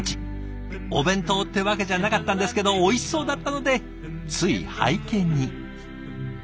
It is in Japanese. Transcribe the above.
お弁当ってわけじゃなかったんですけどおいしそうだったのでつい拝見に。